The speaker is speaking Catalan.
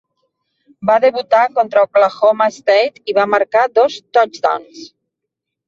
Va debutar contra Oklahoma State i va marcar dos touchdowns.